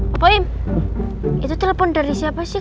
pak paim itu telfon dari siapa sih